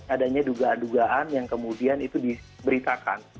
adanya dugaan dugaan yang kemudian itu diberitakan